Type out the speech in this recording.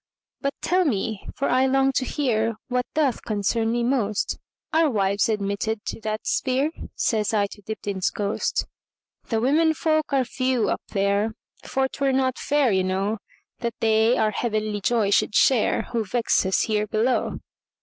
"But tell me, for I long to hearWhat doth concern me most, Are wives admitted to that sphere?"Says I to Dibdin's ghost."The women folk are few up there; For 't were not fair, you know, That they our heavenly joy should shareWho vex us here below.